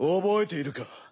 覚えているか？